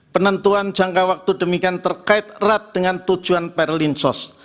penentuan jangka waktu demikian terkait erat dengan tujuan perlinsos